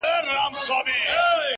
• د ژوندانه كارونه پاته رانه ـ